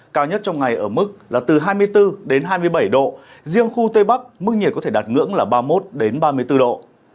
cao nhất trong ngày ở mức là từ hai mươi bốn đến hai mươi bảy độ riêng khu tây bắc mức nhiệt có thể đạt ngưỡng là ba mươi một ba mươi bốn độ